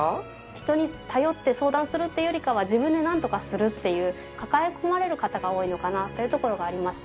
人に頼って相談するというよりかは自分でなんとかするっていう抱え込まれる方が多いのかなというところがありまして。